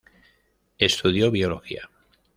Estudió Biología.